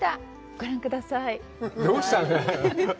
ご覧ください。